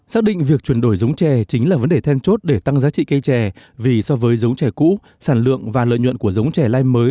xác định việc chuyển đổi giống trè chính là vấn đề thêm chốt để tăng giá trị cây trè vì so với giống trè cũ sản lượng và lợi nhuận của giống trè lai mới